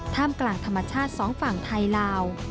กลางธรรมชาติสองฝั่งไทยลาว